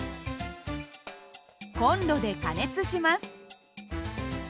コンロで加熱します。